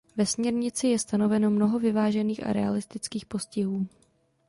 Ve směrnici je stanoveno mnoho vyvážených a realistických postihů.